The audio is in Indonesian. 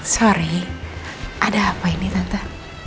sorry ada apa ini tante